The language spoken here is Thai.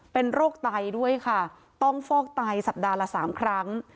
เป็นโรคไตด้วยค่ะต้องฟอกไตสัปดาห์ละ๓ครั้ง